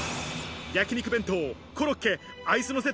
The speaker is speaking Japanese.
焼肉弁当、コロッケ、アイスのせ